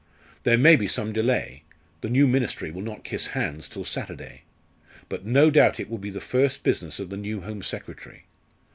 There may be some delay. The new ministry will not kiss hands till Saturday. But no doubt it will be the first business of the new Home Secretary.